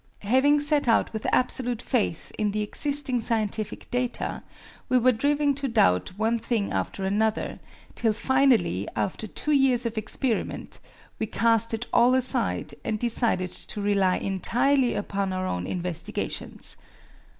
Having set out with absolute faith in the existing scientific data, we were driven to doubt one thing after another, till finally, after two years of experiment, we cast it all aside, and decided to rely entirely upon our own investigations.